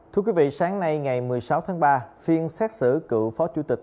thưa quý vị sáng nay ngày một mươi sáu tháng ba phiên xét xử cựu phó chủ tịch